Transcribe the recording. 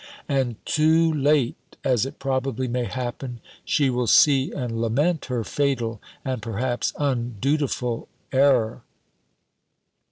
And too late, as it probably may happen, she will see and lament her fatal, and, perhaps, undutiful error.